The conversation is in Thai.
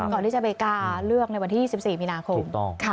ก่อนที่จะไปกาเลือกในวันที่๒๔มีนาคม